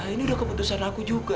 ini udah keputusan aku juga